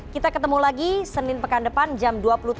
kita ketemu lagi senin pekan depan jam dua puluh tiga